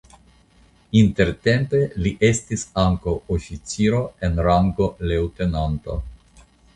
Intertempe li estis ankaŭ oficiro en rango leŭtenanto.